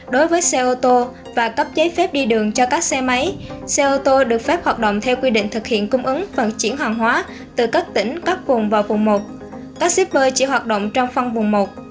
đối với xe ô tô và cấp giấy phép đi đường cho các xe máy xe ô tô được phép hoạt động theo quy định thực hiện cung ứng vận chuyển hàng hóa từ các tỉnh các vùng vào vùng một các shipper chỉ hoạt động trong phân vùng một